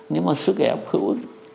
nhưng mà sức ép hữu